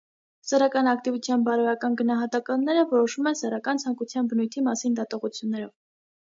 Սեռական ակտիվության բարոյական գնահատականները որոշվում են սեռական ցանկության բնույթի մասին դատողություններով։